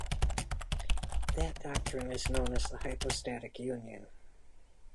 That doctrine is known as the Hypostatic union.